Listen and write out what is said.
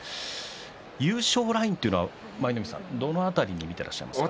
優勝ラインというのは舞の海さんどの辺りに見てらっしゃいますか。